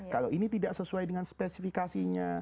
kalau ini tidak sesuai dengan spesifikasinya